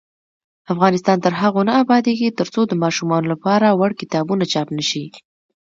افغانستان تر هغو نه ابادیږي، ترڅو د ماشومانو لپاره وړ کتابونه چاپ نشي.